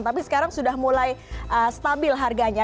tapi sekarang sudah mulai stabil harganya